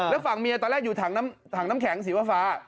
แล้วฝั่งเมียตอนแรกอยู่ถังน้ำแข็งสีฟ้า